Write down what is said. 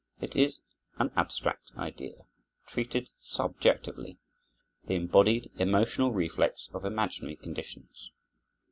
It is an abstract idea treated subjectively, the embodied emotional reflex of imaginary conditions.